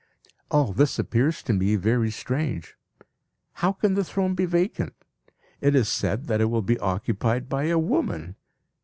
All this appears to me very strange. How can the throne be vacant? It is said that it will be occupied by a woman.